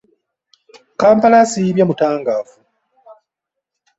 Kampala asiibye mutangavu.